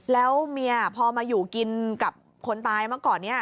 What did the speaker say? แล้วเมียพอมาอยู่กินกับคนตายเมื่อก่อนนี้